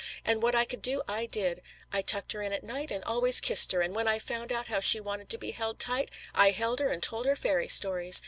And what I could do I did. I tucked her in at night and always kissed her, and when I found out how she wanted to be held tight, I held her and told her fairy stories.